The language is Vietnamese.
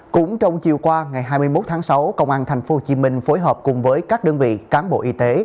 cũng trong chiều qua ngày hai mươi một tháng sáu công an tp hcm phối hợp cùng với các đơn vị cán bộ y tế